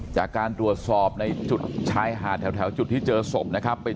จากการตรวจสอบในจุดชายหาดแถวจุดที่เจอศพนะครับ